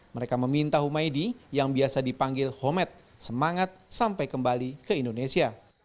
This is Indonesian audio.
mereka meminta humaydi yang biasa dipanggil homet semangat sampai kembali ke indonesia